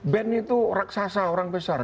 band itu raksasa orang besar